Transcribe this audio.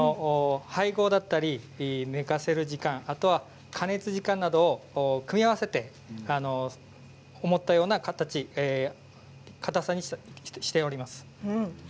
配合だったり寝かせる時間加熱時間などを組み合わせて思ったような形かたさにしております。